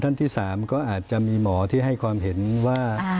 ที่๓ก็อาจจะมีหมอที่ให้ความเห็นว่า